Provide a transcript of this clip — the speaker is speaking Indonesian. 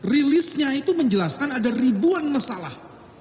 rilisnya itu menjelaskan ada ribuan masalah